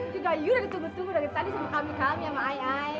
juga yu udah ditunggu tunggu dari tadi sama kami kami ya sama ayo